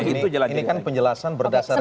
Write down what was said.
ini kan penjelasan berdasarkan